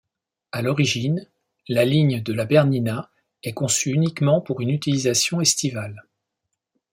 À l'origine, la ligne de la Bernina est conçue uniquement pour une utilisation estivale.